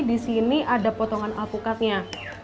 disini ada potongan alpukatnya